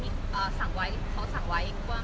ที่เราจะต้องมานั่งไก่เกียร์เพื่อมีเงินเข้ากันอะไรดูอะไรอ่ะ